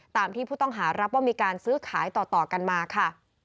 ตามที่ผู้ต้องหารับว่ามีการซื้อขายต่อกันมาค่ะ